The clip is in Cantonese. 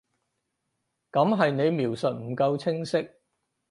噉係你描述唔夠清晰